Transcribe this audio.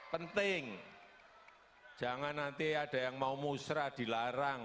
penting jangan nanti ada yang mau musrah dilarang